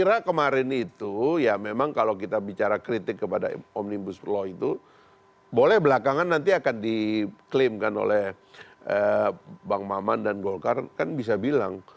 jadi kemarin itu ya memang kalau kita bicara kritik kepada omnibus law itu boleh belakangan nanti akan diklaimkan oleh bang maman dan golkar kan bisa bilang